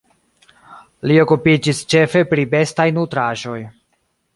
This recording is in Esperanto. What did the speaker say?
Li okupiĝis ĉefe pri bestaj nutraĵoj.